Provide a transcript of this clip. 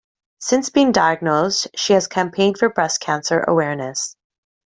Since being diagnosed, she has campaigned for breast cancer awareness.